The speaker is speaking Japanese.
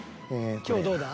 ［今日どうだ？］